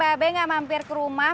bapak tidak mampir ke rumah